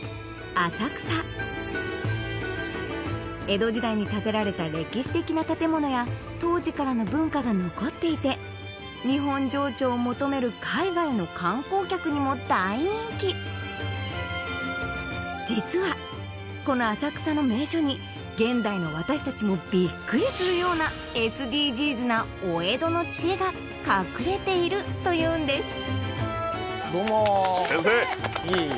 浅草江戸時代に建てられた歴史的な建物や当時からの文化が残っていて日本情緒を求める海外の観光客にも大人気実はこの浅草の名所に現代の私達もビックリするようなＳＤＧｓなお江戸の知恵が隠れているというんですどうも先生！